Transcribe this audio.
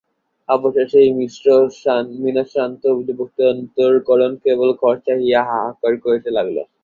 অবশেষে এই মিণশ্রান্ত যুবকটির অন্তঃকরণ কেবল ঘর চাহিয়া হা হা করিতে লাগিল।